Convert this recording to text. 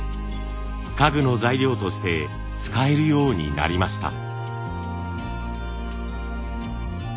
家具の材料として使えるようになりました。